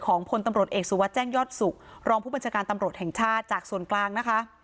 พลตำรวจเอกสุวัสดิแจ้งยอดสุขรองผู้บัญชาการตำรวจแห่งชาติจากส่วนกลางนะคะ